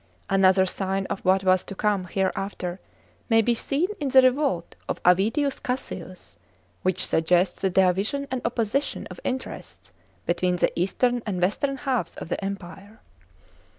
An other sign of what was to come hereafter may be seen in (3) the revolt of Avidius Cassius, which suggests the division and opposition of interests between the eastern and western halves of the Empire.